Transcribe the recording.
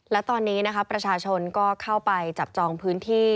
และตอนนี้นะคะประชาชนก็เข้าไปจับจองพื้นที่